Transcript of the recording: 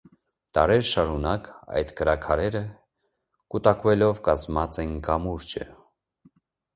Դարեր շարունակ այդ կրաքարերը կուտակուելով կազմած են կամուրջը։